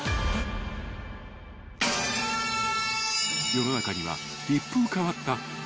［世の中には］